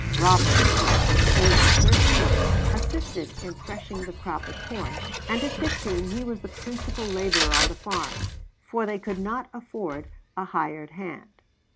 Robert, at the age of thirteen, assisted in threshing the crop of corn, and at fifteen he was the principal laborer on the farm, for they could not afford a hired hand.